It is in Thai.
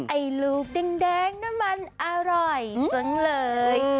ไอ้ลูกแดงน้ำมันอร่อยจังเลย